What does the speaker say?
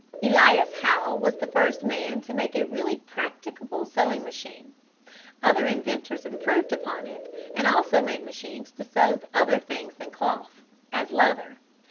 Elias Howe was the first man to make a really practicable sewing machine. Other inventors improved upon it, and also made machines to sew other things than cloth, as leather.